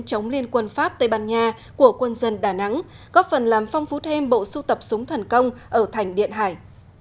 chống liên quân pháp tây ban nha của quân dân đà nẵng góp phần làm phong phú thêm bộ sưu tập súng thần công ở thành điện hải